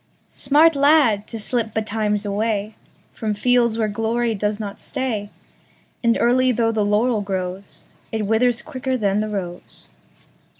Smart lad, to slip betimes awayFrom fields where glory does not stay, And early though the laurel growsIt withers quicker than the rose.